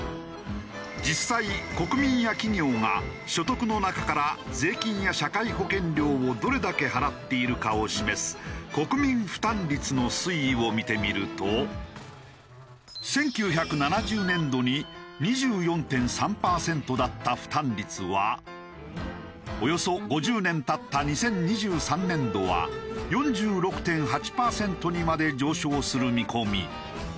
実際国民や企業が所得の中から税金や社会保険料をどれだけ払っているかを示す国民負担率の推移を見てみると１９７０年度に２４．３パーセントだった負担率はおよそ５０年経った２０２３年度は４６．８パーセントにまで上昇する見込み。